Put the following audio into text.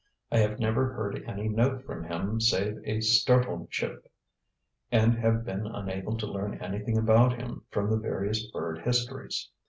I have never heard any note from him save a startled chip, and have been unable to learn anything about him from the various bird histories.